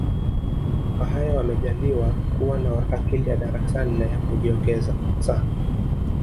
Wahaya wamejaaliwa kuwa na akili ya darasani na ya kujiongeza sana